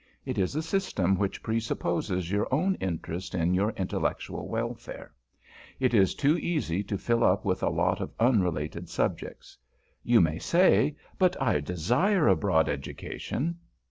It is a system which presupposes your own interest in your intellectual welfare. It is too easy to fill up with a lot of unrelated subjects. You may say, "But I desire a broad education."